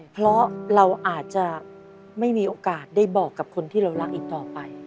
เพราะเราอาจจะไม่มีโอกาสได้บอกกับคนที่เรารักอีกต่อไป